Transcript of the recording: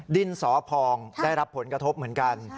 ดินสอพองได้รับผลกระทบเหมือนกัน